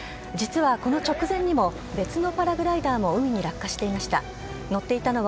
実は、この直前にも別のパラグライダーも海に落下していました。